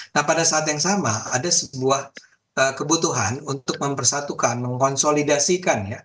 nah pada saat yang sama ada sebuah kebutuhan untuk mempersatukan mengkonsolidasikan ya